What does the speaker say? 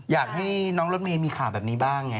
อยากให้น้องรถเมย์มีข่าวแบบนี้บ้างไง